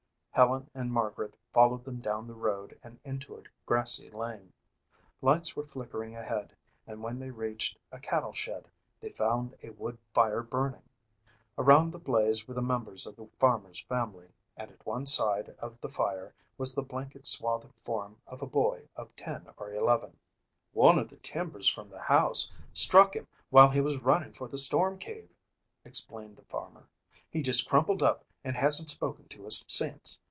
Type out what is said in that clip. Helen and Margaret followed them down the road and into a grassy lane. Lights were flickering ahead and when they reached a cattle shed they found a wood fire burning. Around the blaze were the members of the farmer's family and at one side of the fire was the blanket swathed form of a boy of ten or eleven. "One of the timbers from the house struck him while he was running for the storm cave," explained the farmer. "He just crumpled up and hasn't spoken to us since.